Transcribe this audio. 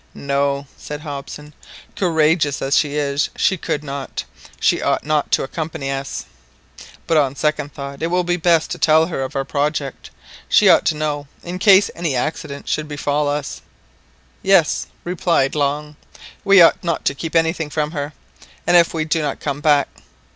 "No," said Hobson, "courageous as she is, she could not, she ought not to accompany us. But on second thought, it will be best to tell her of our project. She ought to know in case any accident should befall us" "Yes," replied Long, "we ought not to keep anything from her, and if we do not come back"....